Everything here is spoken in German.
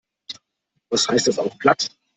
Was heißt das auf Platt?